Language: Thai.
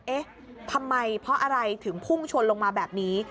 เอ๊ะทำไมเพราะอะไรถึงพุ่งชนลงมาแบบนี้